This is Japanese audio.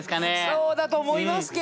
そうだと思いますけども。